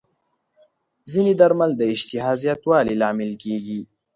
ځینې درمل د اشتها زیاتوالي لامل کېږي.